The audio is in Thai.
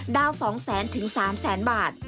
ดาวน์๒๐๐๓๐๐บาท